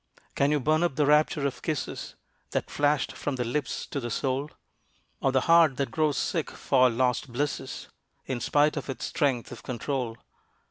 Can you burn up the rapture of kisses That flashed from the lips to the soul? Or the heart that grows sick for lost blisses In spite of its strength of control?